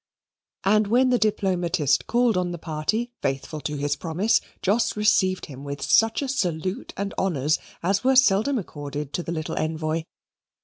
and when the Diplomatist called on the party, faithful to his promise, Jos received him with such a salute and honours as were seldom accorded to the little Envoy.